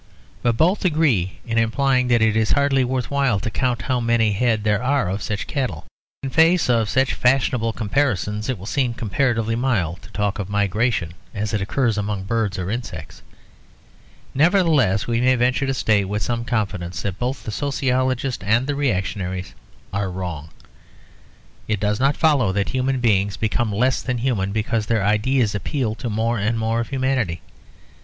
But both agree in implying that it is hardly worth while to count how many head there are of such cattle. In face of such fashionable comparisons it will seem comparatively mild to talk of migration as it occurs among birds or insects. Nevertheless we may venture to state with some confidence that both the sociologists and the reactionaries are wrong. It does not follow that human beings become less than human because their ideas appeal to more and more of humanity.